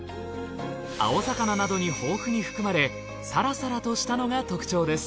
青魚などに豊富に含まれサラサラとしたのが特徴です。